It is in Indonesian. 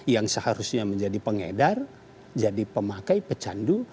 yang seharusnya menjadi pengedar jadi pemakai pecandu